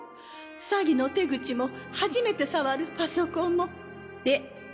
詐欺の手口も初めて触るパソコンも。え！？